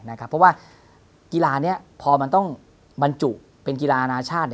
เพราะว่ากีฬานี้พอมันต้องบรรจุเป็นกีฬาอนาชาติ